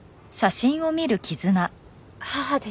母です。